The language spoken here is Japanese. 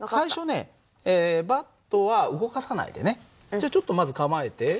じゃちょっとまず構えて。